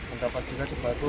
untuk pas juga sepatu